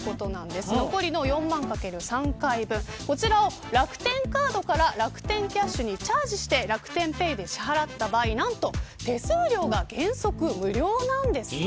残りの４万×３回分を楽天カードから楽天キャッシュにチャージして楽天ペイで支払った場合手数料が原則無料なんです。